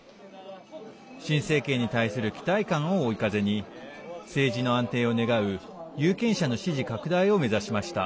新政権に対する期待感を追い風に政治の安定を願う有権者の支持拡大を目指しました。